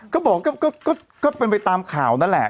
ก็บอกก็โบราณก็ติดไปตามข่าวนั่นแหละ